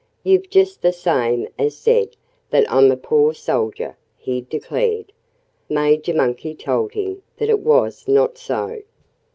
"You've just the same as said that I'm a poor soldier!" he declared. Major Monkey told him that it was not so.